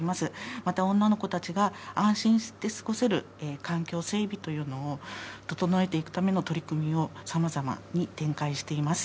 また女の子たちが安心して過ごせる環境整備というのを、整えていくための取り組みを、さまざまに展開しています。